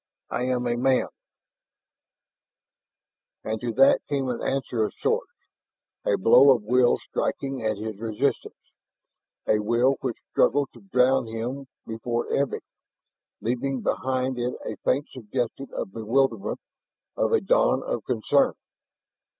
I am a man " And to that came an answer of sorts, a blow of will striking at his resistance, a will which struggled to drown him before ebbing, leaving behind it a faint suggestion of bewilderment, of a dawn of concern.